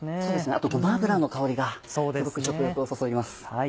あとごま油の香りがすごく食欲をそそります。